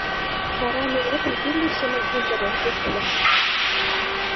Вара нунетым тӱрлӧ семын индырен пуштеда.